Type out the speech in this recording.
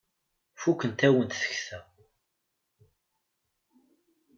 Fukent-awent tekta.